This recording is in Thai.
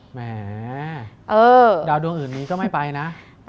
แหมดาวดวงอื่นนี้ก็ไม่ไปนะ